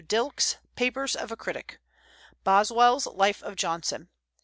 Dilke's Papers of a Critic; Boswell's Life of Johnson.